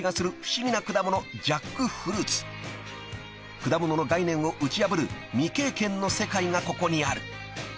［果物の概念を打ち破る未経験の世界がココにある］